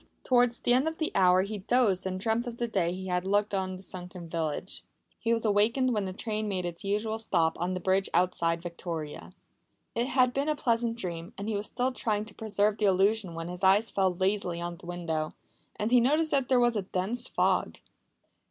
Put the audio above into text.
Towards the end of the hour he dozed and dreamt of the day he had looked on the sunken village. He was awakened when the train made its usual stop on the bridge outside Victoria. It had been a pleasant dream, and he was still trying to preserve the illusion when his eye fell lazily on the window, and he noticed that there was a dense fog.